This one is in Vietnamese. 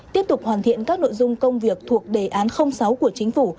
tiếp tục hoàn thiện các nội dung công việc thuộc đề án sáu của chính phủ